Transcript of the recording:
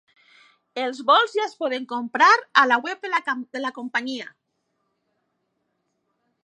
Els vols ja es poden comprar a la web de la companyia.